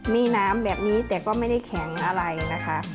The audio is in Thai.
มีน้ำแบบนี้แต่ก็ไม่ได้แข็งอะไรนะคะ